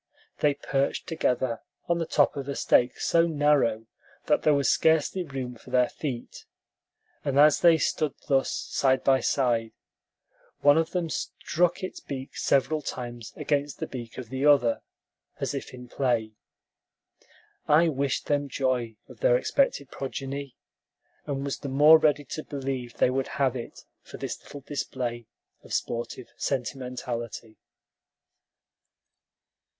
They perched together on the top of a stake so narrow that there was scarcely room for their feet; and as they stood thus, side by side, one of them struck its beak several times against the beak of the other, as if in play. I wished them joy of their expected progeny, and was the more ready to believe they would have it for this little display of sportive sentimentality.